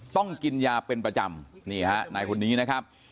ต้องกินยาเป็นประจำนี่ฮะนายคนนี้นะครับ